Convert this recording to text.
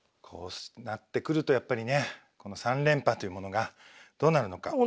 こうなってくるとやっぱりねこの３連覇というものがどうなるのか。